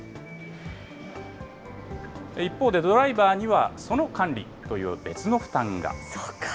一方で、ドライバーにはその管理という別の負担が。